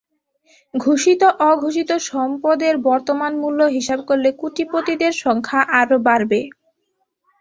ঘোষিত-অঘোষিত সম্পদের বর্তমান মূল্য হিসাব করলে কোটিপতিদের সংখ্যা আরও বাড়তে পারে।